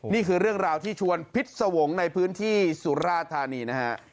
นี่คือเรื่องราวที่ชวนพิษสวงศ์ในพื้นที่สุราธานีนะฮะ